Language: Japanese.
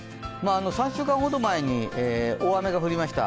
３週間ほど前に大雨が降りました。